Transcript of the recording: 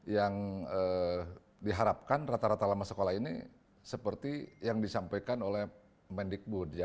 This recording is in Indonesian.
yang diharapkan rata rata lama sekolah ini seperti yang disampaikan oleh mendikbud